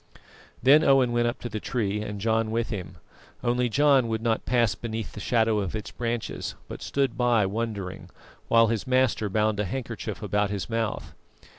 Then Owen went up to the tree and John with him, only John would not pass beneath the shadow of its branches; but stood by wondering, while his master bound a handkerchief about his mouth.